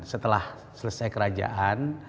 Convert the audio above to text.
setelah selesai kerajaan